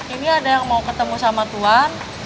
ini ada yang mau ketemu sama tuhan